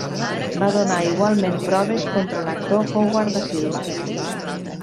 Va donar igualment proves contra l'actor Howard Da Silva.